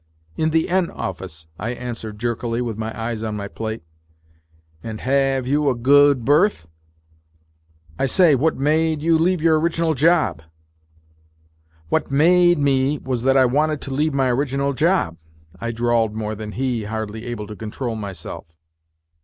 " In the N office," I answered jerkily, with my eyes on my plate. "And ha ave you a go od berth? I say, what ma a de you leave your original job ?"" What ma a de me was that I wanted to leave my original job," I drawled more than he, hardly able to control myself.